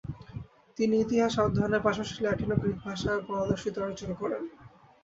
তিনি ইতিহাসে অধ্যায়নের পাশাপাশি ল্যাটিন ও গ্রিক ভাষায় পারদর্শিতা অর্জন করেন।